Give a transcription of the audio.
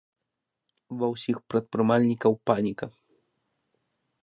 Ва ўсіх прадпрымальнікаў паніка.